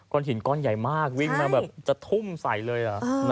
ก้อนหินก้อนใหญ่มากวิ่งมาแบบจะทุ่มใส่เลย